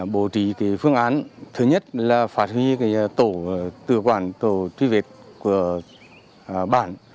bố trí phương án thứ nhất là phát huy tổ tư quản tổ truy vệ của bản